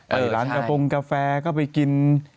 ร้านกระโปรงกาแฟก็ไปกิน